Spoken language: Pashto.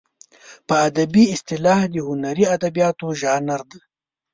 په ادبي اصطلاح د هنري ادبیاتو ژانر دی.